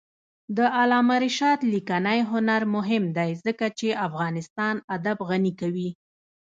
د علامه رشاد لیکنی هنر مهم دی ځکه چې افغانستان ادب غني کوي.